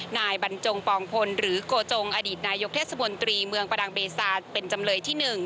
นายบรรจงปองพลหรือโกจงอดีตนายกเทศบนตรีเมืองประดังเบซาเป็นจำเลยที่๑